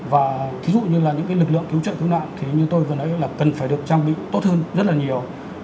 và ví dụ như là những cái lực lượng cứu trợ cứu nạn thì như tôi vừa nói là cần phải được trang bị tốt hơn rất là nhiều